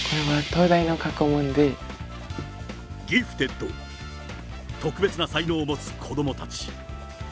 ギフテッド、特別な才能を持つ子どもたち。